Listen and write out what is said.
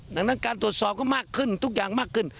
ดังนั้นการตรวจสอบก็มากขึ้นทุกอย่างมากขึ้น